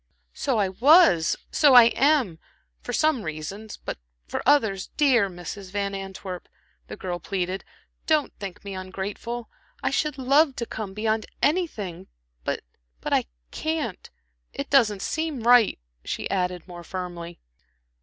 "So I was, so I am for some reasons; but for others Dear Mrs. Van Antwerp," the girl pleaded, "don't think me ungrateful. I should love to come beyond anything, but but I can't. It doesn't seem right," she added, more firmly.